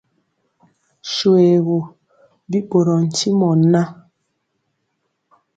Shoégu, bi ɓorɔɔ ntimɔ ŋan.